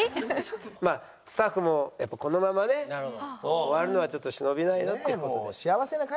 まあスタッフもやっぱこのままね終わるのはちょっと忍びないなっていう事で。